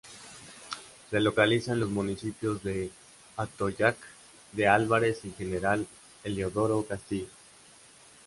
Se localiza en los municipios de Atoyac de Álvarez y General Heliodoro Castillo.